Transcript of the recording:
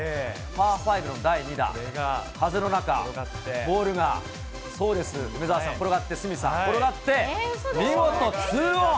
パー５の第２打、風の中、ボールが、そうです、梅澤さん、転がって、鷲見さん、転がって、見事２オン。